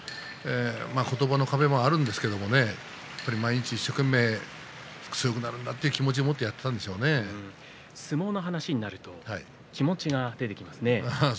言葉の壁もあるんですけどやっぱり毎日一生懸命強くなるんだという気持ちを相撲の話になると気持ちが出てきますね。